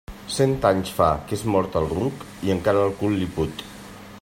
Cent anys fa que és mort el ruc i encara el cul li put.